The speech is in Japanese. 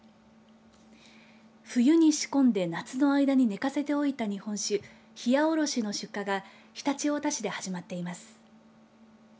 冬に仕込んで夏の間に寝かせておいた日本酒ひやおろしの出荷が常陸太田市で始まっています。